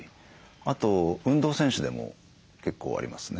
あと運動選手でも結構ありますね。